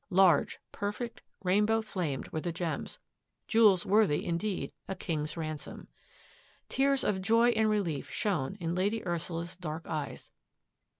Large, perfect, rainbow flamed were the gems — jewels worthy indeed a king's ransom. Tears of joy and relief shone in Lady Ursula's dark eyes.